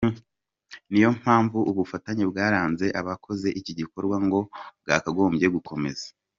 Ni yo mpamvu ubufatanye bwaranze abakoze iki gikorwa ngo bwakagombye gukomeza.